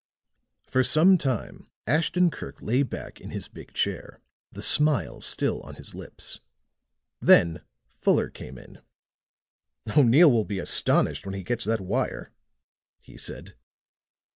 For some time Ashton Kirk lay back in his big chair, the smile still on his lips. Then Fuller came in. "O'Neill will be astonished when he gets that wire," he said.